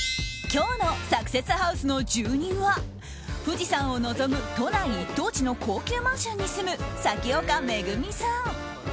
今日のサクセスハウスの住人は富士山を臨む都内一等地の高級マンションに住む咲丘恵美さん。